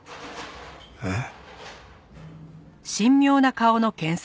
えっ？